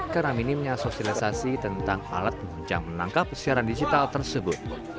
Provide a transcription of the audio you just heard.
karena minimnya sosialisasi tentang alat penunjang penangkap siaran digital tersebut